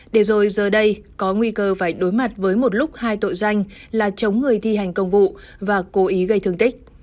để rồi giờ đây có nguy cơ phải đối mặt với một lúc hai tội danh là chống người thi hành công vụ và cố ý gây thương tích